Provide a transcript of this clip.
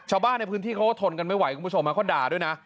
ชาวบ้านในพื้นที่เขาก็ทนกันไม่ไหวคุณผู้ชมเขาด่าด้วยนะ